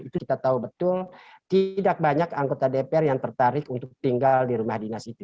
itu kita tahu betul tidak banyak anggota dpr yang tertarik untuk tinggal di rumah dinas itu